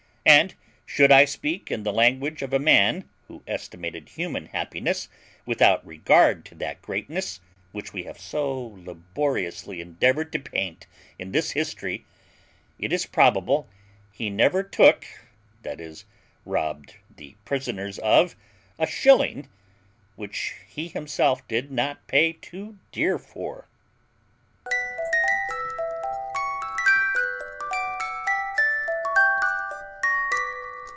And, should I speak in the language of a man who estimated human happiness without regard to that greatness, which we have so laboriously endeavoured to paint in this history, it is probable he never took (i.e. robbed the prisoners of) a shilling, which he himself did not pay too dear for.